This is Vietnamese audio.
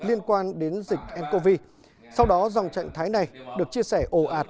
liên quan đến dịch ncov sau đó dòng trạng thái này được chia sẻ ồ ạt